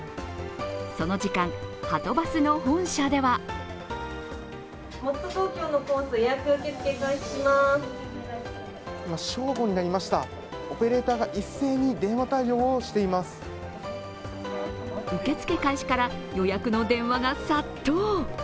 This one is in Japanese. その時間、はとバスの本社では受け付け開始から予約の電話が殺到。